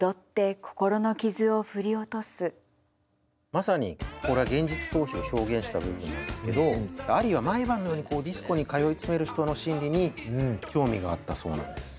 まさにこれは現実逃避を表現した部分なんですけどアリーは毎晩のようにディスコに通い詰める人の心理に興味があったそうなんです。